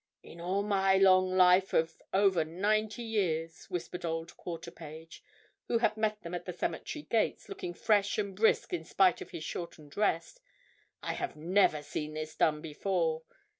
"In all my long life of over ninety years," whispered old Quarterpage, who had met them at the cemetery gates, looking fresh and brisk in spite of his shortened rest, "I have never seen this done before.